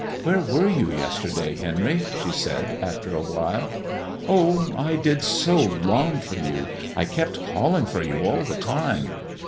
"Where were you yesterday, Henry?" she said, after a while. "Oh, I did so long for you. I kept calling for you all the time.